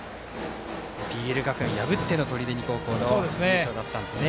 ＰＬ学園を破っての取手二高の優勝だったんですね。